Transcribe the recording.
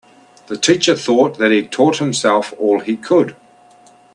The teacher thought that he'd taught himself all he could.